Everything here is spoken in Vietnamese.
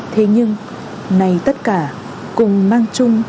thế nhưng nay tất cả cùng mang chung